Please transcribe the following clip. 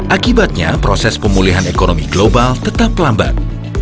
akibatnya proses pemulihan ekonomi global tetap lambat